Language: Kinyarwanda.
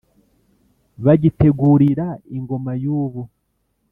Bagitegurira ingoma y’ubu.